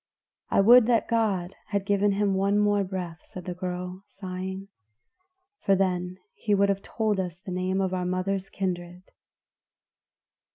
"I would that God had given him one more breath," said the girl sighing, "for then would he have told us the name of our mother's kindred."